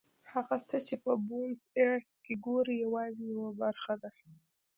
هغه څه چې په بونیس ایرس کې ګورئ یوازې یوه برخه ده.